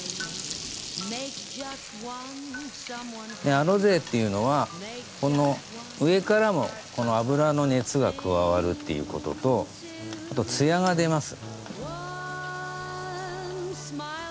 アロゼっていうのは上からもこの油の熱が加わるっていうこととあと艶が出ます。